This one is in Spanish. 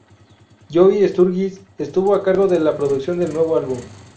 Joey Sturgis estuvo a cargo de la producción del nuevo álbum.